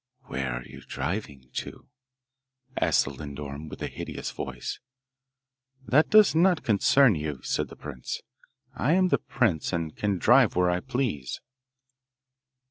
'Where are you driving to? ' asked the lindorm with a hideous voice. 'That does not concern you,' said the prince. 'I am the prince, and can drive where I please.